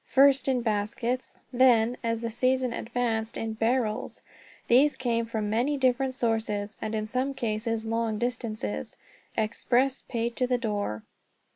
First in baskets; then, as the season advanced, in barrels. These came from many different sources; and in some cases long distances, express paid to the door.